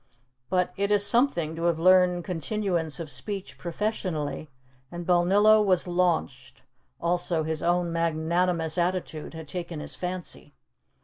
But it is something to have learned continuance of speech professionally, and Balnillo was launched; also his own magnanimous attitude had taken his fancy.